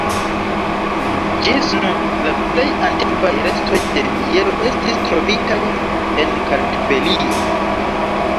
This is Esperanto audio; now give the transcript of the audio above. Ĝis nun, la plej antikvaj restoj de mielo estis trovitaj en Kartvelio.